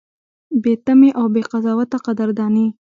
بې تمې او بې قضاوته قدرداني: